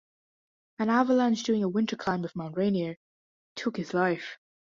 An avalanche during a winter climb of Mount Rainier took his life.